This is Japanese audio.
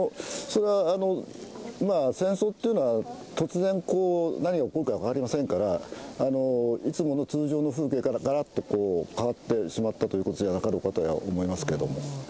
それは戦争というのは、突然こう、何が起こるか分かりませんから、いつもの通常の風景から、がらっとこう、変わってしまったということじゃなかろうかと思いますけれども。